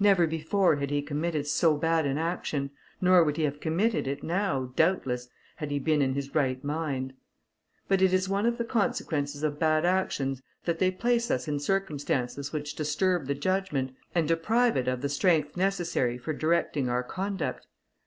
Never before had he committed so bad an action, nor would he have committed it now, doubtless, had he been in his right mind. But it is one of the consequences of bad actions that they place us in circumstances which disturb the judgment, and deprive it of the strength necessary for directing our conduct.